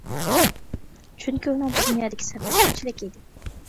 چۈنكى ئۇنىڭ بۇ دۇنيادىكى سەپىرى شۇنچىلىك ئىدى.